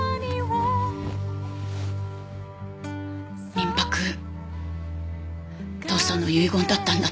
民泊父さんの遺言だったんだって？